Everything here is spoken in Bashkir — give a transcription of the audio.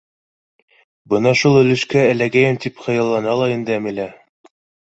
Бына шул өлөшкә эләгәйем тип хыяллана ла инде Әмилә.